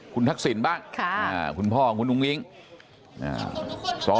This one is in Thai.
คุณทักสินป่ะคุณพ่อคุณอุ๊งอิ๊งค่ะค่ะ